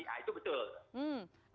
nah itu betul